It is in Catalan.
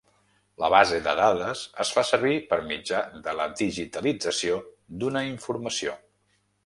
La base de dades es fa servir per mitjà de la digitalització d'una informació.